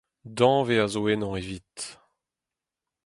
danvez a zo ennañ evit…